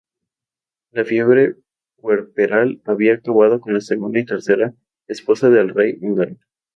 La fiebre puerperal había acabado con la segunda y tercera esposa del rey húngaro.